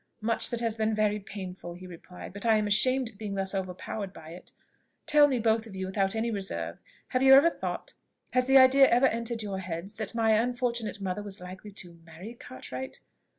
"Much that has been very painful," he replied; "but I am ashamed at being thus overpowered by it. Tell me, both of you, without any reserve, have you ever thought has the idea ever entered your heads, that my unfortunate mother was likely to marry Cartwright?"